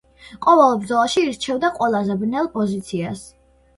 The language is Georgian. ყოველ ბრძოლაში ირჩევდა ყველაზე ძნელ პოზიციას.